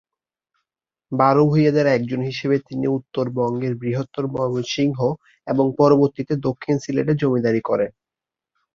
বারো ভূঁইয়াদের একজন হিসেবে তিনি উত্তর বঙ্গের বৃহত্তর ময়মনসিংহ এবং পরবর্তীতে দক্ষিণ সিলেটে জমিদারি করেন।